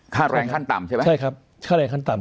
ค่าแรงขั้นต่ำใช่ไหมใช่ครับค่าแรงขั้นต่ำ